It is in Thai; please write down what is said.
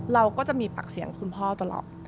เราก็จะมีปากเสียงกับคุณพ่อตลอด